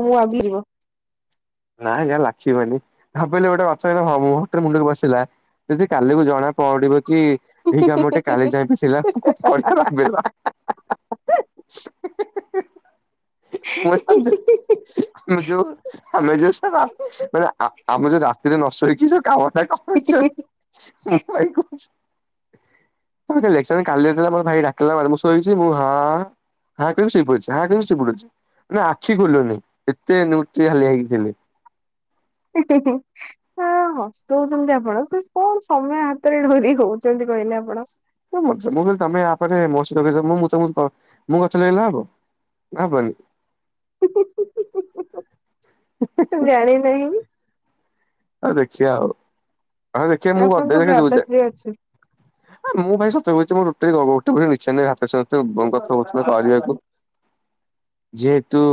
ଓ ମୁଁ ଆଗି ଯିବ। ନାଁ ହେରା ବାଛିବନି ଆମେ କହୁଲୁ ଗୋଟେ ଅଚକଥା ହବ ମ ମୁହୂର୍ତରେ ମୁଣ୍ଡରେ ପସିଲା। ଯଦି କାଲିକୁ ଜଣା ପଡିବ କି ଏ କାମ ଟେ କାଲି ଯାଇ ବି ସିଲା [unintelligible] [inaudible] ମୁଁ ଯୋଉ ଆମେ ଯୋଉ ସେ ରା ମାନେ ଆ ଆମେ ଯୋଉ ରାତିରେ ନ ସୋଇକି ଯୋଉ କାମଟା କରିଚେ। ମୁଁ ଭାଇ କହୁଚି। ଇଲେକସନ କାଲିହେଥିଲା ମୋର ଭାଇ ଡାକିଲା ମ ମୁଁ ଶୋଇଛି ମୁଁ ହଁ। ହା କହିଲେ ଶୋଇପଡ଼ୁଚି ହା କହିଲେ ଶୋଇପଡ଼ୁଚି ମାନେ ଆଖି ଖୋଲୁନି ଏତେ ନୁଚି ହାଲିଆ ହେଇକି ଥିଲି। [inaudible] ହଁ ହସଉଚନ୍ତି ଆପଣ ସେ କଣ ସମୟ ହାତରେ ଡୋରି ହଉଚନ୍ତି କହିଲେ ଆପଣ। ଏ ମୋ ଚ ମୁଁ ଯଦି ତମେ ଆପରେ [unintelligible] ମୁଁ ଗଛ ଲଗିଲଲେ ହବ। ହବନି। [inaudible] ମୁଁ ଜାଣି ନାହିଁ। ହଁ ଦେଖିବା ଆଉ। ହଁ ଦେଖିବା ମୁଁ ଆପଣଙ୍କ ଗାଧେଇ ଦେଇକି ଯଉଛେ। ଭ୍ରାତାଶ୍ରୀ ଅଛି। ହଁ ମୁଁ ଭାଇ ସତ କହୁଛି ମୋ ରୋଟିରେ ଗୋଟେ ନି [unintelligible] ଭାତ ସେ ଗଁ ଗତବର୍ଷ ବାହାରିବାକୁ ଯେହେତୁ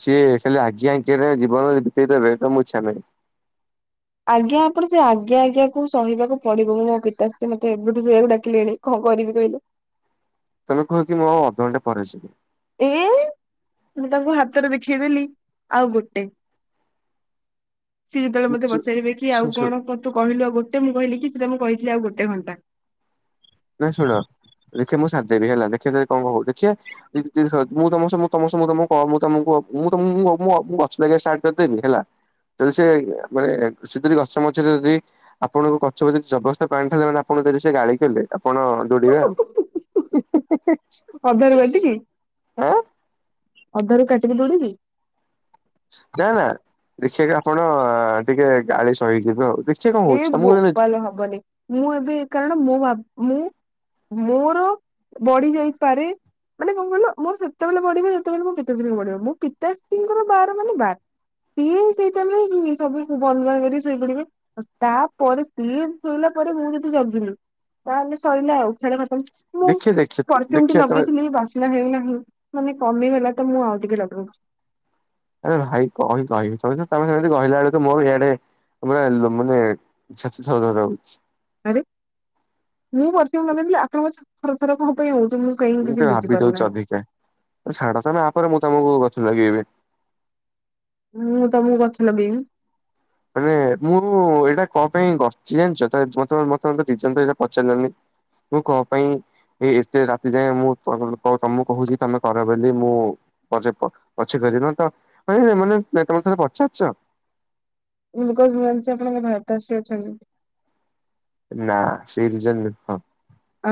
ସିଏ ଖାଲି ଆଜ୍ଞା ଆଜ୍ଞା ରେ ଜୀବନ ବିତେଇଦବେ ତ ମୁଁ ଇଚ୍ଛା ନାଇଁ। ଆଜ୍ଞା ଆପଣ ସେ ଆଜ୍ଞା ଆଜ୍ଞା କୁ ସହିବାକୁ ପଡିବ। ମୁଁ ନା ପିତାଶ୍ରୀ ମତେ ଏବେଠୁ ଯିବାକୁ ଡାକିଲେଣି। କଣ କରିବି କହିଲ? ତମେ କୁହ କି ମୁଁ ଆଉ ଅଧଘଣ୍ଟା ପରେ ଆସିବି। ଏ ମୁଁ ତାଙ୍କୁ ହାତରେ ଦେଖେଇଦେଲି। ଆଉ ଗୋଟେ। [inaudible] ସିଏ ଯେତେବେଳେ ମତେ ଶୁ ପଚାରିବେ କି ଆଉ ଶୁ କଣ କ ତୁ କହିଲୁ ଆଉ ଗୋଟେ ମୁଁ କହିଲି କି ସେଟା ମୁଁ କହିଥିଲି ଆଉ ଗୋଟେ ଘଣ୍ଟା। ନାଇଁ ଶୁଣ ଦେଖେ ମୁଁ ସାଥ ଦେବି ହେଲା। ଦେଖିବା ତା କଣ କଣ ହଉଛି। ଦେଖିବା [unintelligible] ମୁଁ ତମ ସମ ତମ ସମୟରେ ମୁଁ କ ମୁଁ ତମକୁ ଅ ମୁଁ ତ ମୁଁ ମୁଁ ମୁଁ ଆଉ ମୁଁ ଆଉ ମୁଁ [unintelligible] ଷ୍ଟାର୍ଟ କରିଦେବି ହେଲା। ତେବେ ସେ ମାନେ ସେ [unintelligible] ଗଛ ମଝିରେ ଯଦି ଆପଣଙ୍କୁ କଛପ ଯଦି ଜବରସ୍ତ ପ୍ରାଣି ତାହେଲେ ମାନେ ଆପଣ ଯଦି ସେ ଗାଳି କଲେ। ଆପଣ ଦୌଡିବେ ଆଉ। ଅଧାରୁ କାଟିକି ଆଁ। ଅଧାରୁ କାଟିକି ଦୌଡିବି। ନା ନା ଦେଖିବା କି ଆପଣ ଟିକେ ଗାଳି ସହିଯିବେ ଆଉ ଦେ ଏ ବୋପାଲୋ ହବନି। ମୁଁ ଏବେ କାରଣ ମୋ ବା ମୁଁ ମୋର ବଢି ଯାଇପାରେ। ମାନେ କଣ କହିଲ ମୋର ସେତେବେଳେ ବଢିବ ଯେତେବେଳେ ମୋ ପିତାଶ୍ରୀଙ୍କର ବଢିବ। ମୋ ପିତାଶ୍ରୀଙ୍କର ବାର ମାନେ ବାର। ପିଏ ହିଁ ସେଇ ଟାଇମରେ ହିଁ ସବୁ ବନ୍ଦ ବାନ୍ଦ କରି ଶୋଇପଡିବେ। ତାପରେ ସିଏ ଶୋଇଲା ପରେ ମୁଁ ଯଦି ଜଗିଲି ତାହେଲେ ସଇଲା ଆଉ ଖେଳ ଖତମ। ମୁଁ ଦେଖେ ଦେଖେ ପରଫ୍ୟୁମଟି ଦେଖିବା ତମେ ଲଗେଇଥିଲି ବାସ ନା ହେଉନାହିଁ। ମାନେ କମିଗଲା ତ ମୁଁ ଆଉ ଟିକେ ଲଗାଉଛି। ଆରେ ଭାଇ କହି କହିବି ତମେ ତ ତମେ ସେମିତି କହିଲା ବେଳକୁ ମୋର ଇଆଡେ [unintelligible] ମାନେ [unintelligible] ଆରେ ମୁଁ ପରଫ୍ୟୁମ ଲଗେଇଥିଲି ଆପଣଙ୍କ [inaudible] ଥର ଥର କଣ ପାଇଁ ହଉଛନ୍ତି? ଏମିତି ଭାବି ଦଉଛି ଅଧିକା। ଛାଡ ତମେ ଆପରେ ମୁଁ ତମକୁ ଗଛ ଲଗେଇବି। ମୁଁ ତମକୁ ଗଛ ଲଗେଇବି। ମାନେ ମୁଁ ଏଇଟା କଣ ପାଇଁ ଗଛି ଜାଣିଛ [unintelligible] ପଚାରିଲନି ମୁଁ କଣ ପାଇଁ? ଏଇ ଏତେ ରାତି ଯାଏ ମୁଁତମ କ ତମକୁ କହୁଛି ତମେ କର ବୋଲି। ମୁଁ ପଛେ ପ ପଛେ କରି ନ ତ ମାନେ ତ ମାନେ ଅ ତମେ ଥରେ ପଚାରିଛ? ମୁଁ କହିଲି ମୁଁ ଜାଣିଛି ଆପଣଙ୍କ ଭ୍ରାତାଶ୍ରୀ ଅଛନ୍ତି। ନା ସେଇ ରିଜନ ନୁହଁ।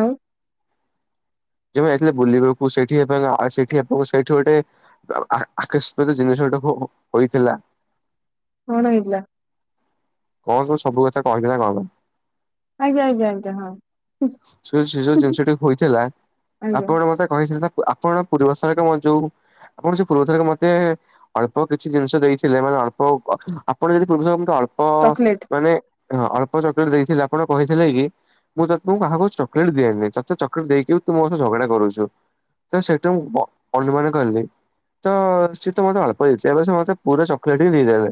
ଆଉ। ଯେବେ ଯାଇଥିଲେ ବୁଲିବାକୁ ସେଇଠି ଏଫେନ ଆ ସେଠି ଆପଣ ସେଇଠୁ ଗୋଟେ ଆ ଆ ଆକସ୍ମିକ ଜିନିଷ ଟାକୁ ହୋଇଥିଲା। କଣ ହେଇଥିଲା? କଣ ସବୁ ସବୁ କଥା କହିବି ନା କଣ [unintelligible] ଆଜ୍ଞା ଆଜ୍ଞା ଆଜ୍ଞା ହଁ। ସେ ସେ ଯୋଉ ଜିନିଷଟି ହୋଇଥିଲା ଆଜ୍ଞା ଆପଣ ମତେ କହିଥିଲେ ନା। ଆପଣ ପୂର୍ବଥରକ ମ ଯୋଉ ଆପଣ ଯୋଉ ପୂର୍ବଥରକ ମତେ ଅଳ୍ପ କିଛି ଜିନିଷ ଦେଇଥିଲେ। ମାନେ ଅଳ୍ପ କ ଆପଣ ଯଦି ପୂର୍ବ ଉମ ଅଳ୍ ପ ଚକୋଲେଟ ମାନେ ହଁ ଅଳ୍ପ ଚକୋଲେଟ ଦେଇଥିଲେ। ଆପଣ କହିଥିଲେ କି ମୁଁ ତ ମୁଁ କାହାକୁ ଚକଲେଟ ଦିଏନି। ତତେ ଚକଲେଟ ଦେଇକି ବି ତୁ ମୋ ସହ ଝଗଡା କରୁଛୁ। ତ ସେଇଠୁ ମୁଁ ଅ ଅନୁମାନ କହିଲି। ତ ସିଏ ତ ମୋତେ ଅଳ୍ପ ଦେଇଥିଲା ଏବେ ସେ ମତେ ପୁରା ଚକୋଲେଟ୍ ହିଁ ଦେଇଦେଲେ।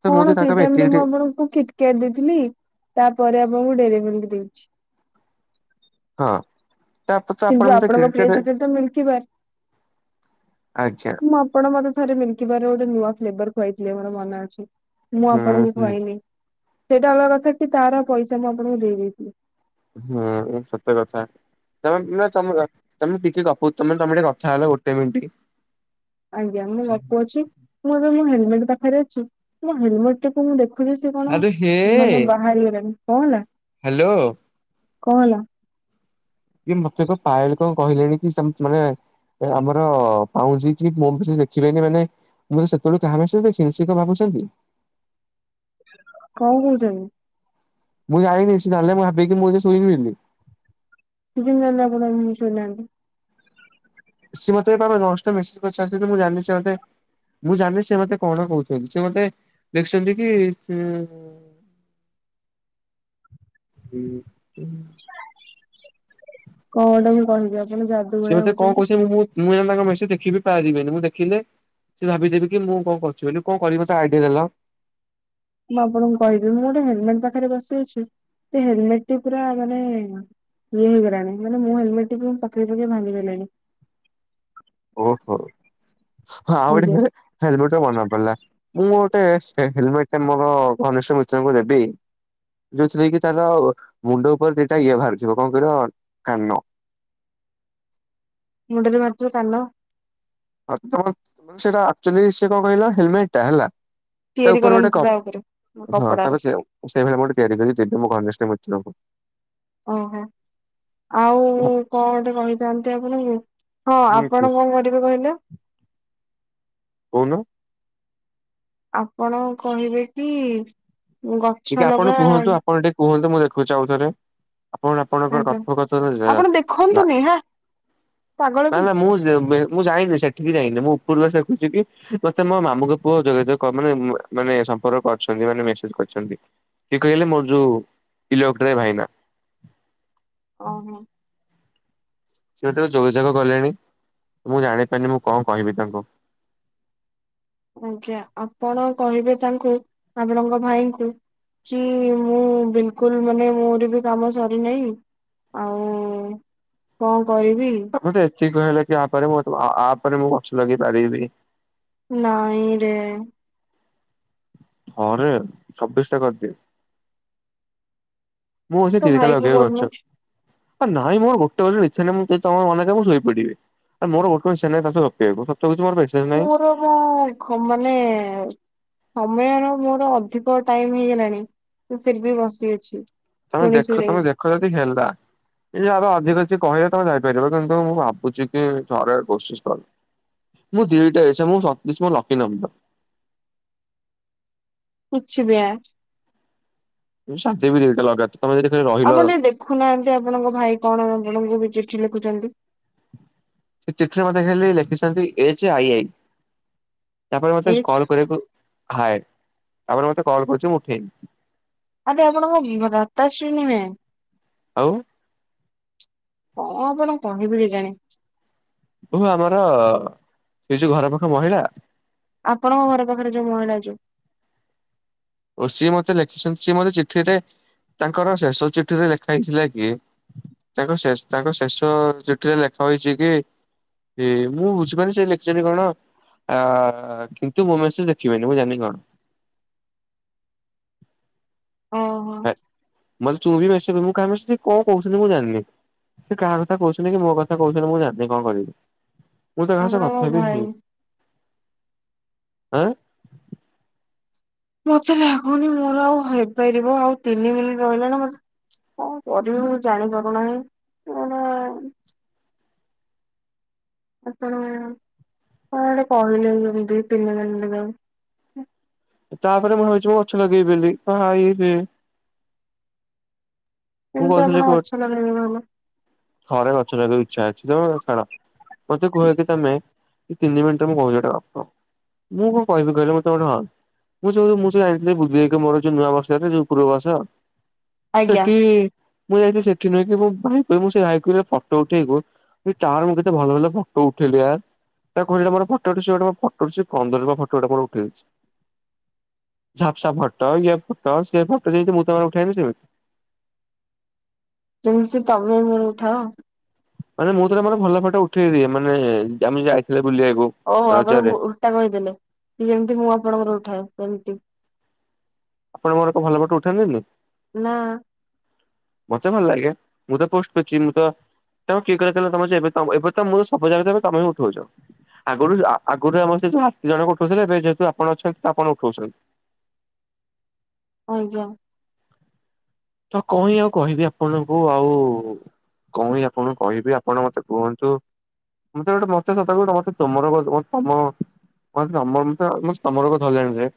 ତ ମୁଁ କଣ ଯଦି ତାଙ୍କ ସେଇ ପାଇଁ ଟାଇମ ରେ ଏତିକି ମୁଁ ଟିକେ ଆପଣଙ୍କୁ କିଟକାଟ ଦେଇଥିଲି। ତାପରେ ଆପଣଙ୍କୁ ଡେରୀମିଲ୍କ ଦେଉଛି। ହଁ। ତା କିନ୍ତୁ ତାପରେ ମତେ ଆପଣଙ୍କ ପ୍ରିୟ କ୍ରିକେଟ ରେ ଚକୋଲେଟ ତ ମିଲ୍କିବାର। ଆଜ୍ଞା। ମୁଁ ଆପଣ ମତେ ଥରେ ମିଲ୍କବାରର ଗୋଟେ ନୂଆ ଫ୍ଲେବର୍ ଖୁଆଇଥିଲେ ମୋର ମନେ ଅଛି ମୁଁ ହୁଁ ଆପଣଙ୍କୁ ହୁଁ ଖୁଆଇନି। ସେଇଟା ଅଲଗା କଥା କି ତାର ପଇସା ମୁଁ ଆପଣଙ୍କୁ ଦେଇ ଦେଇଥିଲି। ହୁଁ ସତ କଥା ତମେ ନାଁ ତମେ ଅ ତମେ ଟିକେ ଗପୁ ତମେ ତମେ ଡେ କଥା ହେଲ ଗୋଟେ ମିଣ୍ଟି। ଆଜ୍ଞା ମୁଁ ଲଟକଉଚି ମୁଁ ଏବେ ମୋ ହେଲମେଟ୍ ପାଖରେ ଅଛି ମୋ ହେଲମେଟ୍ ଟାକୁ ମୁଁ ଦେ ଖୁ ବି ସିଏ କଣ ଆରେ ହେ ବୁ ନା ନା ବାହାରିଗଲାଣି କଁ ହେଲା? ହାଲୋ। କଁ ହେଲା? ଇ ମତେ କ ପାଏଲ କଁ କହିଲେଣି କି ସେ ମାନେ ଏ ଆମର ପାଉଁଜି କି ମୁଁ ବି ସେ ଦେଖିବେନି ମାନେ ମୁଁ ତ ସେତୋଳୁ କାହା ମେସେଜ୍ ଦେଖିନି ସେ କଁ ଭାବୁଛନ୍ତି? କଁ କହୁଚନ୍ତି? ମୁଁ ଯାଇନି ସେ ଜାଣଲେ ମୁଁ ଭାବିବେ କି ମୁଁ ଏବେ ଶୋଇନି ବୋଲି। ସେ କେମତି ଜାଣଲେ ଆପଣ ଏଇକ୍ଷୁଣି ଶୋଇନାହାନ୍ତି? ସେ ମତେ ଏ ପା ମେ ନଷ୍ଟ ମେସେଜ୍ କରିଚାଲଚନ୍ତି ମୁଁ ଜାଣିନି ସେ ମତେ ମୁଁ ଜାଣିନେଇ ସେ ମତେ କଣ କୋହୁଚନ୍ତି ସେ ମତେ ଲେଖିଛନ୍ତି କି ଚୁଁ ହୁଁ ଉଁ କ ଗଟେ ମୁଁ କହିବି ଯେ ଆପଣ ଯା ସିଏ ମତେ କଁ କୋହୁଚି ମୁଁ ମୁଁ ଯାଣେ ତାଙ୍କ ମେସେଜ୍ ଦେଖି ବି ପାରିବିନି ମୁଁ ଦେଖିଲେ ସେ ଭାବିଦେବେ କି ମୁଁ କଁ କରୁଚି ବୋଲି କଁ କରିବି ମତେ ଆଇଡ଼ିଆ ଦେଲ। ମୁଁ ଆପଣଙ୍କୁ କହିବି ମୁଁ ଗୋଟେ ହେଲମେଟ୍ ପାଖରେ ବସିଅଛି ସେ ହେଲମେଟ୍ ଟି ପୁରା ମାନେ ଇଏ ହେଇଗଲାଣି ମାନେ ମୁଁ ହେଲମଟ୍ ଟିକୁ ପକେଇ ପକେଇ ଭାଙ୍ଗିଦେଲିଣି। ଓହୋ ହଁ ଆଉ ଗୋଟେ ଆଜ୍ଞା [unintelligible] ହେଲମେଟ୍ ରୁ ମନ ପଡ଼ିଲା ମୁଁ ଗୋଟେ ସ୍ପେ ହେଲମେଟ୍ ଟେ ମୋର ଘନିଷ୍ଠ ମିତ୍ରଙ୍କୁ ଦେବି ଯୋଉଥିରେ କି ତାର ମୁଣ୍ଡ ଉପରେ ଦିଟା ଇଏ ଭାରିଥିବ କଁ କରିଅ କାନ। ମୁଣ୍ଡରେ ଭାରୁଥୁବ କାନ? ହଁ ତ ତମେ ସେଇଟା ଏକ୍ଟୁଆଲି ସେ କଁ କହିଲ ହେଲମେଟ୍ ଟା ହେଲା। ତା ତିଆରି ଓପରେ ଗୋଟେ କରନ୍ତି କ ତା ଉପରେ ହଁ କପଡାର ତାକୁ ସେଇଆଉ ସେଇ ଭଳିଆ ଗୋଟେ ତିଆରି କରକି ଦେଇଦେ ମୋ ଘନିଷ୍ଠ ମିତ୍ରଙ୍କୁ। ଓହୋ ଆଉ କଣ ଗଟେ କହିଥାନ୍ତି ଆପଣଙ୍କୁ? ହଁ ଆପଣ କଁ କରିବେ କହିଲେ କୋହୁନ। ଆପଣ କହିବେ କି ଇକେ ଗଛ ଆପଣ ଲଗା କୁହନ୍ତୁ ଆପଣ ଟିଏ କୁହନ୍ତୁ ମୁଁ ଦେଖୁଚି ଆଉ ଥରେ। ଆପଣ ଆପଣଙ୍କର ଆଜ୍ଞା କଥକଥନ ଜା ଆପଣ ଲା ଦେଖନ୍ତୁନି ହେ ପାଗଳ ନାଁ କି ନାଁ ମୁଁ ଯେ ବେ ମୁଁ ଯାଇନି ସେଠିକି ଯାଇନି ମୁଁ ଉପୁରୁ ଆସେ ବୁଲିକି। ମତେ ମୋ ମାମୁଁଙ୍କ ପୁଅ ଯୋଗାଯୋଗ କ ମାନେ ମାନେ ସମ୍ପର୍କ କରିଛନ୍ତି ମାନେ ମେସେଜ୍ କରିଛନ୍ତି। କିଏ କହିଲେ ମୋର ଯୋଉ ପିଲଉକଟେରା ଭାଇନା। ଓହୋ। ସିଏ ମତେ ଅ ଯୋଗାଯୋଗ କଲେଣି ମୁଁ ଜାଣିପାରିନି ମୁଁ କଁ କହିବି ତାଙ୍କୁ। ଆଜ୍ଞା ଆପଣ କହିବେ ତାଙ୍କୁ ଆପଣଙ୍କ ଭାଇଙ୍କୁ କି ମୁଁ ବିଲକୁଲ୍ ମାନେ ମୋର ବି କାମ ସରିନାହିଁ ଆଉ କଁ କରିବି? ହଁ ମତେ ଏତିକି କହିଗଲେ କି ଆ ପରେ ମୁଁ ଅତ୍ ଆ ଆ ପରେ ମୁଁ ଗଛ ଲଗେଇ ପାରିବି। ନାଇଁରେ। ହଁ ରେ ଛବିଶଟା କରିଦିଏ। ମୁଁ ସେ ତୋ ତିନିଟା ଭାଇକୁ ଲଗେଇବି କରୁନୁ ଗଛ। ଏ ନାଇଁ ମୋର ଗୋଟେ ଗରେ ଅଛି ନିଥେନେ ମୁଁ ତେଇ ତମ ମନେ ତାକୁ ଶୋଇପଡି଼ବି। ଆରେ ମୋର ମୋଟୁରୁ ସେ ନାହିଁ ତା ସହିତ ଗପିବାକୁ ସତ କୋହୁଚି ମୋର ବେଶ୍ ମୋର ବା ଘ ମାନେ ସମୟର ମୋର ଅଧିକ ଟାଇମ୍ ହେଇଗଲାଣି। ସେ ଫିର୍ ବି ବସି ଅଛି। ତମେ ଶୁଣି ଦେଖ, ଶୁଣି ତମେ ଦେଖ ଯଦି ହେଲା। ଏ ଯାର ଅଧିକ କିଛି କହିଲେ ତମେ ଯାଇପାରିବ। କିନ୍ତୁ ମୁଁ ଭାବୁଛି କି ଥରେ କୋସିିସ୍ କ ମୁଁ ଦିଟା ଏସେ, ମୁଁ ସତୀଶ ମୋ ଲକି ନମ୍ବର। କୁଛ୍ ବି ୟା ମୁଁ ଶାନ୍ତିବି ଦିଟା ଲଗାତ୍ ଆପଣ ଟିକେ ଦେଖୁନାହାଁନ୍ତି, ଆପଣଙ୍କ ଭାଇ କଣ ଆପଣଙ୍କୁ ବି ଚିଠି ଲେଖୁଛନ୍ତି? ସେ ଚିଠି ରେ ମତେ ଖାଲି ଲେଖିଛନ୍ତି, ଏଚ ଆଇ ଆଇ ତା'ପରେ ମତେ ଏ କଲ୍ କରିବାକୁ ହାଏ। ତା'ପରେ ମତେ କଲ୍ କରୁଛି। ମୁଁ ଉଠେଇନି। ଆରେ ଆପଣଙ୍କ ଭ୍ରାତାଶ୍ର୍ରୀ ନୁହେଁ। ଆଉ! କଣ ଆପଣଙ୍କୁ କହିବି କେଜାଣି? ଓହୋ ଆମର! ସେ ଯୋଉ ଘର ପାଖ ମହିଳା? ଆପଣଙ୍କ, ଘର ପାଖର ଯୋଉ ମହିଳା ଯୋଉ ଓ ସିଏ ମତେ ଲେଖିଛନ୍ତି, ସିଏ ମତେ ଚିଠିରେ, ତାଙ୍କର ଶେଷ ଚିଠି ରେ ଲେଖା ହେଇଥିଲା କି ତାଙ୍କ ଶେ, ତାଙ୍କ ଶେଷ ଚିଠିରେ ଲେଖା ହୋଇଛି କି କି, ମୁଁ ବୁଝିପାରୁନି, ସେ ଲେଖିଛନି କଣ? ଅ-ଅ କିନ୍ତୁ, ମୋ ମେସେଜ ଦେଖିବେନି। ମୁଁ ଜାଣିନି କଣ? ଓହୋ ଏଁ, ମତେ ଚୁଁ, ବି ମେସେ କରି, ମୁଁ କାହା ମେସେ କଣ କହୁଛନ୍ତି ମୁଁ ଜାଣିନି? ସେ କାହା କଥା କହୁଛନ୍ତି କି? ମୋ କଥା କହୁଛନ୍ତି! ମୁଁ ଜାଣନି କଣ କରିବି? ମୁଁ ତ କହା ସହ ଆପଣଙ୍କ କଥାବି ଭାଇ। ହେଇନି? ଆଁ। ମତେ ଲାଗୁନି ମୋର ଆଉ ହେଇପାରିବ? ଆଉ, ତିନି ମିନିଟ୍ ରହିଲାଣି ମତେ କଣ କରିବି ମୁଁ ଜାଣିପାରୁନାହିଁ? ପୁଣି ଆପଣ! କଣ ଗଟେ କହିଲେ, ଦି ତିନି ମିନିଟ୍ ଯାଇଁ? ତା'ପରେ ମୁଁ ଭାବଛି, ମୁଁ ଗଛ ଲଗେଇ ବେଲି। ଭାଇରେ! ମୁଁ କେମିତି କହୁଥିଲି ଆପଣ ଗୋଟ୍, ଗଛ ଲଗେଇବେ ଭଲ ଘରେ ଗଛ ଲଗେଇବା ଇ୍ଛା ଅଛି ତ, ଛାଡ଼! ମତେ କୁହ କି ତମେ, ତିନି ମିନ୍ଟିରେ ମୁଁ କହୁଛି ଟେ ଗପ। ମୁଁ କଣ କହିବି କହିଲ? ମତେ ଗୋଟେ ହନ୍ ମୁଁ ଯଉ ମୁଁ ସେ ଆଣଥିଲି, ବୁଦ୍ ବେଗ ମୋର ଯୋଉ ନୂଆ ବର୍ଷ ରେ ଯଉ ପୂର୍ବବଷ। ଆଜ୍ଞା। [inaudible] ମୁଁ ଯାଇଥିଲି ସେଠି ନୁହେଁ କି, ମୋ ଭାଇ ପାଇଁ ମୁଁ ସେ ହାଇକ୍ ରେ ଫଟୋ ଉଠେଇକୁ ବେ ତାର, ମୁଁ କେତେ ଭଲ ଭଲ ଫଟୋ ଉଠେଇଲି ୟାର। ତାକୁ କହିଲି ଟା ମୋର ଫଟ ଉଠା, ସେ ଗୋଟେ ମୋ ଫୋଟରୁ ସେ ପନ୍ଦରଟା ଫଟୋ ମୋର ଉଠେଇଛି। ଝାପ୍ସା ଫଟ୍, ଇଏ ଫଟ୍, ସିଏ ଫଟ୍, ଯେମିତି ମୁଁ ତମର ଉଠାଏନି ସେମେ ଯେମିତି ତମେ ମୋର ଉଠାଅ! ମାନେ, ମୁଁ ତମର ଭଲ ଫଟ ଉଠେଇ ଦିଏ। ମାନେ ଆମେ ଯାଇଥିଲେ ବୁଲିବାକୁ। ଓହୋ! ଆପଣ ରଜରେ। ଉଲ୍ଟା କହିଦେଲେ, କି ଯେମିତି ମୁଁ ଆପଣଙ୍କର ଉଠାଏ, ସେମତି। ଆପଣ ମୋର ଏକ ଭଲ ଫଟ ଉଠାନ୍ତିନି? ନାଁ। ମତେ ଭଲ ଲାଗେ। ମୁଁ ତ ପୋଷ୍ଟ କରଛି। ମୁଁ ତ ତମ କିଏ କହିଲା। କହିଲା ତମ ଯେ ଏବେ ତ ଏବେ ତ ମୁଁ ସବ ଜାଗ ତ ତମେ ହିଁ ଉଠଉଛ? ଆଗରୁ ଆଗରୁ ଆମର ସେ ଯେ ହାତୀ ଜଣକ ଉଠଉଥିଲେ, ଏବେ ଯେହେତୁ ଆପଣ ଅଛନ୍ତି ତ ଆପଣ ଉଠଉଛନ୍ତି। ଆଜ୍ଞା। ତ କଁ ହି ଆଉ କହିବି ଆପଣଙ୍କୁ ଆଉ କଁ ହିଁ ଆପଣଙ୍କୁ କହିବି, ଆପଣ ମତେ କୁହନ୍ତୁ? ମତେ ଗୋଟେ ମତେ ସତ [unintelligible] ମତେ ତମର ଗ ତମ ହ ତମମ୍ ତ ମତେ ତମ ରୋଗ ଧାଇଲାଣିରେ।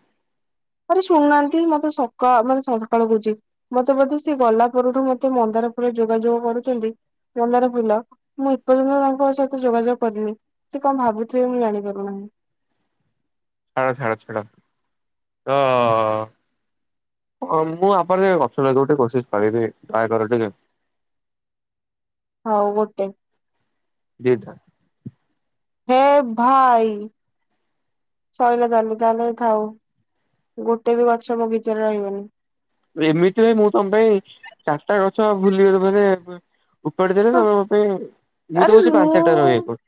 ଆରେ ଶୁଣୁନାହାଁନ୍ତି? ମତେ ସକା ମାନେ ସକାଳୁ କହୁଚି। ମତେ ବୋଧେ ସେ ଗଲାପରଠୁ, ମତେ ମନ୍ଦାର ଫୁଲ ଯୋଗାଯୋଗ କରୁଛନ୍ତି। ମନ୍ଦାର ଫୁଲ, ମୁଁ ଏପର୍ଯ୍ୟନ୍ତ ତାଙ୍କ ସହିତ ଯୋଗାଯୋଗ କରିନି। ସେ କଣ ଭାବୁଥିବେ ମୁଁ ଜାଣିପାରୁନାହିଁ। ଛାଡ଼ ଛାଡ଼ ଛାଡ଼ ତ ହଁ ମୁଁ ଆପରେ ଯ ଅଛୁ ନା ଯୋଉଠି କୋସିସ କରିବି ଟ୍ରାଏ କର ଟିକେ ହଉ ଗୋଟେ। ଦିଟା। ହେ ଭାଇ ଶୋଇଲା ତାହଲେ ତାହେଲେ ଥାଉ ଗୋଟେ ବି ଗଛ ମୋ ବଗିଚା ରେ ରହିବନି। ଏମିତି ରେ ମୁଁ ତମ ପାଇଁ ଚାରିଟା ଗଛ ଭୁ ଉପଡି ଦେଲେ ତମ ପାଇଁ ମୁଁ ଆରେ ତ କହୁଛି ମୁଁ ପାଞ୍ଚ ଟା ରହିବାକୁ।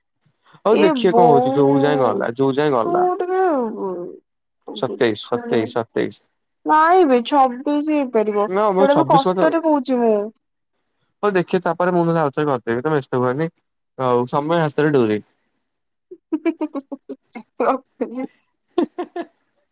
ହଉ ଏ ଦେଖେ କଣ ବୋଉ ହଉଛି ଯୋଉ ଯାଏ ଗଲା ଯୋଉ ଯାଏ ତୁ ଗଲା। ଟିକେ ସତେଇଶି ସତେଇଶି ସତେଇଶି। ନାଇଁବେ ଛବିଶ ହେଇପାରିବ ନା ମୋର ସେଇଟା ବି ଛବିଶ ମତେ କଷ୍ଟରେ କହୁଛି ମୁଁ। ହଉ ଦେଖି ତାପରେ ମୁଁ ଯାଉଛ [unintelligible] ବ୍ୟସ୍ତ ହୁଏନି ଆଉ ସମୟ ହାତରେ ଡୋରି। [unintelligible] [unintelligible]